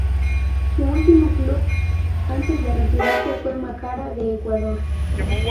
Su último club antes de retirarse fue Macará de Ecuador.